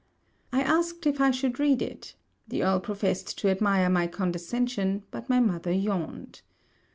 I asked if I should read it; the Earl professed to admire my condescension, but my mother yawned.